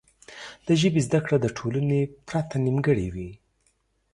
د ژبې زده کړه له ټولنې پرته نیمګړې وي.